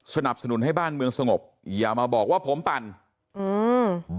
สนับสนุนให้บ้านเมืองสงบอย่ามาบอกว่าผมตั่นสนับสนุนให้บ้านเมืองสงบอย่ามาบอกว่าผมตั่น